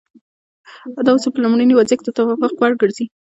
دا اصول په لومړني وضعیت کې د توافق وړ ګرځي.